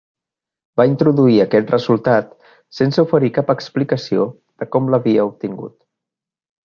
Va introduir aquest resultat sense oferir cap explicació de com l'havia obtingut.